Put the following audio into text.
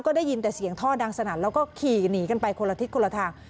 ก็ได้ยินแต่เสียงท่อดังสนั่นแล้วก็ขี่หนีกันไปคนละทิศคนละทาง